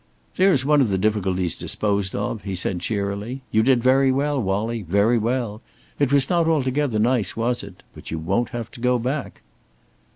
"There's one of the difficulties disposed of," he said, cheerily. "You did very well, Wallie very well. It was not altogether nice, was it? But you won't have to go back."